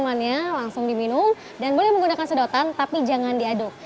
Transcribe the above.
minumannya langsung diminum dan boleh menggunakan sedotan tapi jangan diaduk